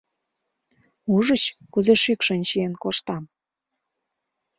Ужыч, кузе шӱкшын чиен коштам.